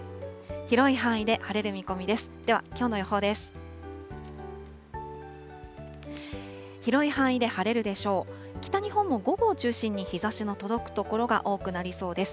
広い範囲で晴れる見込みです。